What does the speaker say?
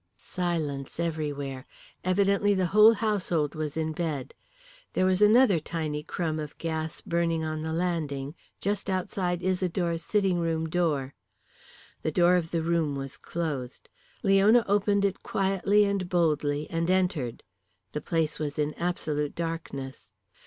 Silence everywhere. Evidently the whole household was in bed. There was another tiny crumb of gas burning on the landing, just outside Isidore's sitting room door. The door of the room was closed. Leona opened it quietly and boldly and entered. The place was in absolute darkness.